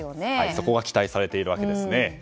そこが期待されているわけですね。